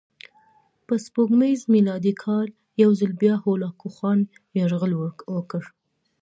په سپوږمیز میلادي کال یو ځل بیا هولاکوخان یرغل وکړ.